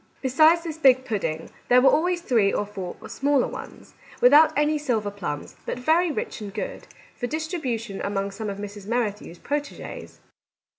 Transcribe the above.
Besides this big pudding, there were always three or four smaller ones (without any silver plums, but very rich and good), for distribution among some of Mrs. Merrithew's proteges.